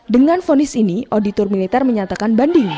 dengan fonis ini auditor militer menyatakan banding